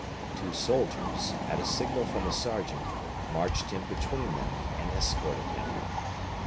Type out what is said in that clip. Two soldiers, at a signal from a sergeant, marched him between them, and escorted him.